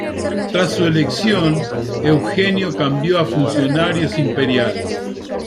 Tras su elección, Eugenio cambió a funcionarios imperiales.